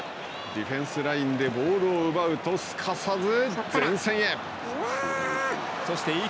ディフェンスラインでボールを奪うとすかさず前線へ。